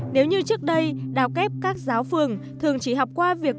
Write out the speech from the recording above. nếu như trước đây đào kép các giáo phường thường chỉ học qua việc